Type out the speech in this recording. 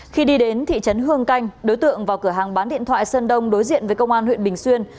khi đi đến thị trấn hương canh đối tượng vào cửa hàng bán điện thoại sơn đông đối diện với công an huyện bình xuyên